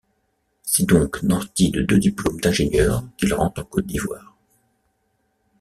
C’est donc nanti de deux diplômes d’ingénieur qu’il rentre en Côte d’Ivoire.